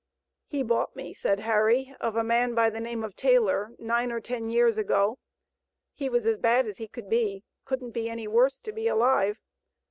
"He bought me," said Harry, "of a man by the name of Taylor, nine or ten years ago; he was as bad as he could be, couldn't be any worse to be alive.